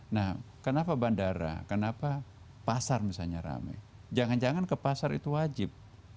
nah kenapa bandara kenapa pasar misalnya rame jangan jangan ke pasar itu wajib